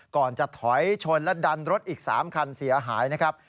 ก่อนจะถอยชนและดันรถอีก๓คันเสียหายนะครับ